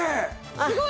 すごい！